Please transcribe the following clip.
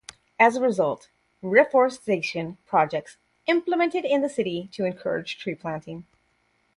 As a result, reforestation projects implemented in the city to encourage tree planting.